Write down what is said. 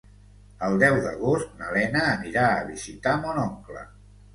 El deu d'agost na Lena anirà a visitar mon oncle.